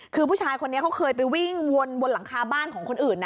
คือผู้ชายคนนี้เขาเคยไปวิ่งวนหลังคาบ้านของคนอื่นนะ